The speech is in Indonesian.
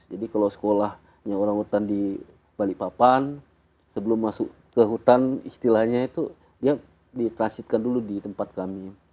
jadi kalau sekolahnya orang hutan di balikpapan sebelum masuk ke hutan istilahnya itu dia ditransitkan dulu di tempat kami